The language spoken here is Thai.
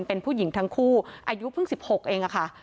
เป็นผู้หญิงทั้งคู่อายุเพิ่ง๑๖เองค่ะ